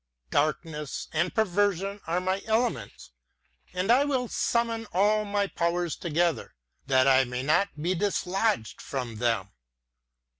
Darkness and perversion are my elements, and I will summon all my powers together that I may not be dislodged from them.'